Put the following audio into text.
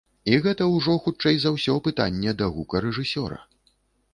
І гэта ўжо, хутчэй за ўсё, пытанне да гукарэжысёра.